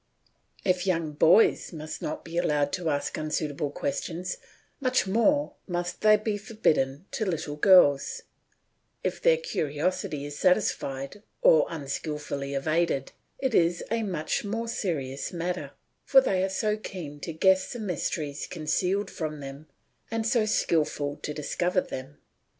If young boys must not be allowed to ask unsuitable questions, much more must they be forbidden to little girls; if their curiosity is satisfied or unskilfully evaded it is a much more serious matter, for they are so keen to guess the mysteries concealed from them and so skilful to discover them.